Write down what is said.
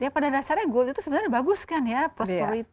ya pada dasarnya gold itu sebenarnya bagus kan ya prosperity